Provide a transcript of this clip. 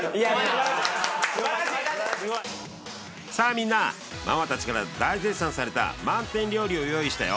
さあみんなママ達から大絶賛された満点料理を用意したよ